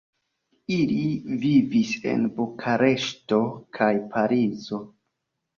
Ili vivis en Bukareŝto kaj Parizo.